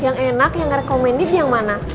yang enak yang ngerekomend di dprk mana